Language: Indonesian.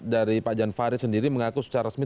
dari pak jan farid sendiri mengaku secara resmi